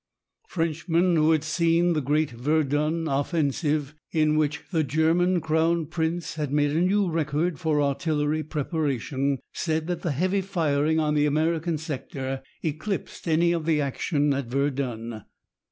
Frenchmen who had seen the great Verdun offensive, in which the German Crown Prince had made a new record for artillery preparation, said that the heavy firing on the American sector eclipsed any of the action at Verdun.